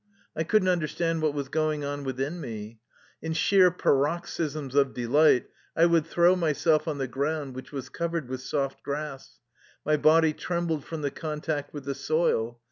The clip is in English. I couldn't understand what was going on within me. In sheer paroxysms of de light I would throw myself on the ground, which was covered with soft grass. My body trembled from the contact with the soil.